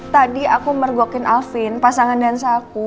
tadi aku mergokin alvin pasangan dansaku